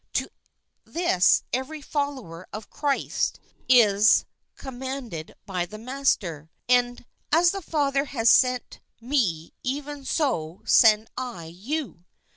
To this every follower of Christ is I INTRODUCTION commanded by the Master :" As the Father has sent me even so send I you."